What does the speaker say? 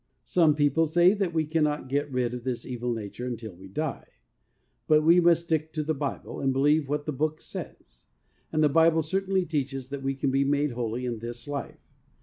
Some people say that we cannot get rid of this evil nature until we die ; but we must stick to the Bible, and believe what that Book says. And the Bible certainly teaches that we can be made holy in this life.